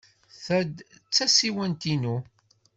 Ta d tasiwant-inu.